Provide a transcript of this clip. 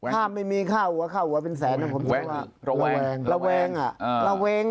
ถ้าไม่มีข้าวหัวข้าวหัวเป็นแสนผมคิดว่าเราแว้ง